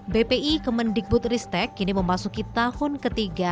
bpi kemendikbud ristek kini memasuki tahun ketiga